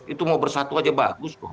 itu mau bersatu saja bagus